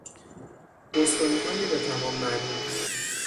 بوستونیهای به تمام معنی